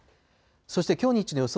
そしてきょう日中の予想